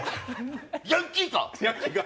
ヤンキーか！